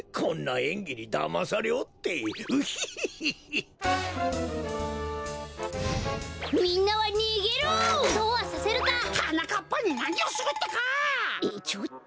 えっちょっと。